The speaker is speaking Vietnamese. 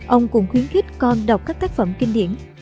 ông cũng khuyến khích con đọc các tác phẩm kinh điển